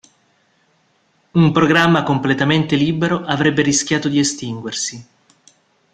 Un programma completamente libero avrebbe rischiato di estinguersi.